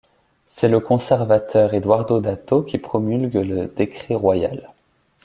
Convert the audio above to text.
C'est le conservateur Eduardo Dato qui promulgue le décret royal.